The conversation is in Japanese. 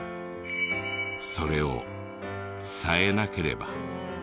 それを伝えなければ。